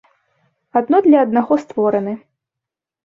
Адно для аднаго створаны.